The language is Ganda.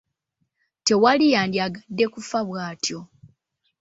Tewali yandyagadde kufa bw’atyo.